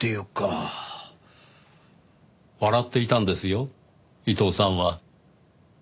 笑っていたんですよ伊藤さんは。